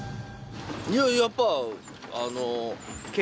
いややっぱ。